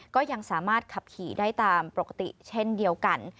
ก็ยังสามารถขับขี่ได้ตามปกติเช่นเดียวกัน